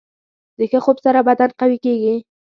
د ښه خوب سره بدن قوي کېږي.